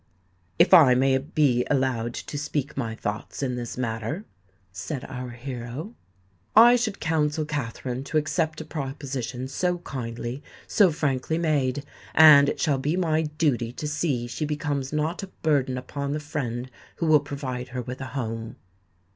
"If I may be allowed to speak my thoughts in this matter," said our hero, "I should counsel Katherine to accept a proposition so kindly, so frankly made; and it shall be my duty to see that she becomes not a burden upon the friend who will provide her with a home."